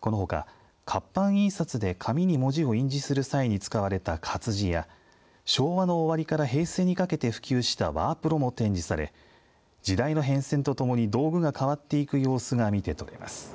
このほか活版印刷で紙に文字を印字する際に使われた活字や、昭和の終わりから平成にかけて普及したワープロも展示され時代の変遷とともに道具が変わっていく様子が見て取れます。